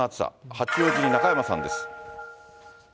八王子に中山さんです。